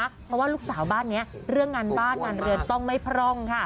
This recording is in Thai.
เพราะว่าลูกสาวบ้านนี้เรื่องงานบ้านงานเรือนต้องไม่พร่องค่ะ